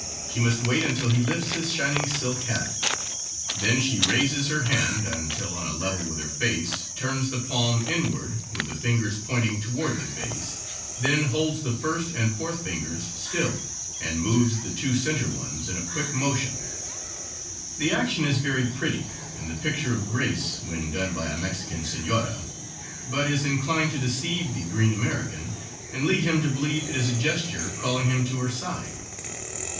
She must wait until he lifts his shining silk hat; then she raises her hand until on a level with her face, turns the palm inward, with the fingers pointing toward the face, then holds the first and fourth fingers still, and moves the two center ones in a quick motion; the action is very pretty, and the picture of grace when done by a Mexican senora, but is inclined to deceive the green American, and lead him to believe it is a gesture calling him to her side.